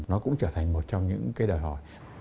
nó cũng trở thành một trong những cái đòi hỏi